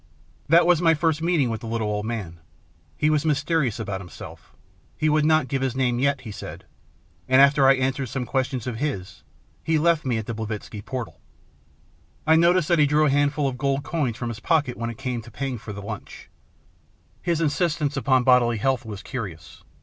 That was my first meeting with the little old man. He was mysterious about himself; he would not give his name yet, he said, and after I had answered some questions of his, he left me at the Blavitski portal. I noticed that he drew a handful of gold coins from his pocket when it came to pay ing for the lunch. His insistence upon bodily health was curious.